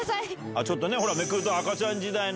ちょっとね、ほら、めくると、赤ちゃん時代の。